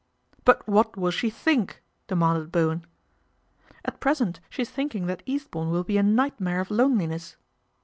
" But what will she think ?" demanded Bowen. " At present she is thinking that Eastbourne will be a nightmare of loneliness."